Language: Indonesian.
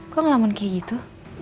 kok ngelamun kayak gitu